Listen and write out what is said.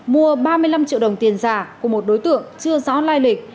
mua ba mươi năm triệu đồng tiền giả của một đối tượng chưa rõ lai lịch